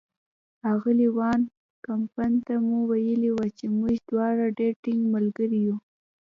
اغلې وان کمپن ته مو ویلي وو چې موږ دواړه ډېر ټینګ ملګري یو.